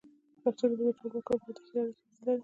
پښتو ژبه د ټولو وګړو لپاره د ښې اړیکې وسیله ده.